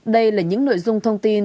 đây là những nội dung thông tin